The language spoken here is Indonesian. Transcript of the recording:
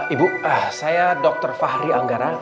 ibu saya dr fahri anggara